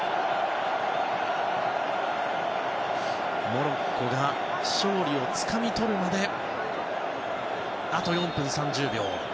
モロッコが勝利をつかみ取るまであと４分３０秒。